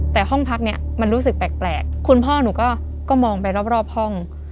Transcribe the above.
แต่ห้องพักเนี่ยมันรู้สึกแปลกคุณพ่อหนูก็มองไปรอบห้อง